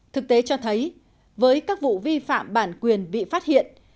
thực tế cho thấy với các vụ vi phạm bản quyền bị phát hiện